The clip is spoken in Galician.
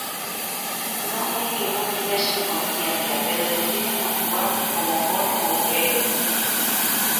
Non é que non tivesen conciencia, pero deciden actuar, como poden ou queren.